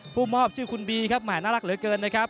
ผู้มอบชื่อคุณบีหมาน่ารักเหลือเกินนะครับ